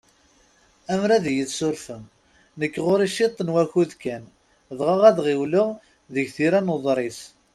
Ammer ad yi-tsurfem, nekki ɣur-i ciṭ n wakud kan, dɣa ad ɣiwleɣ deg tira n uḍris.